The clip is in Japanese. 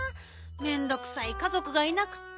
めんどくさいかぞくがいなくって。